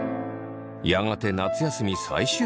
やがて夏休み最終日。